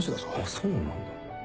そうなんだ。